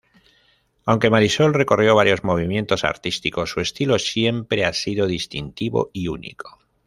Aunque Marisol recorrió varios movimientos artísticos, su estilo siempre ha sido distintivo y único.